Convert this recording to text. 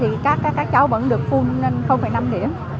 thì các cháu vẫn được phun nên không phải năm điểm